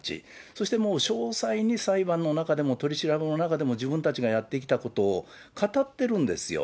そしてもう詳細に裁判の中でも取り調べの中でも、自分たちがやってきたことを語ってるんですよ。